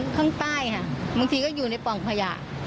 อยู่ข้างใต้บางทีก็อยู่ในปล่องขยะ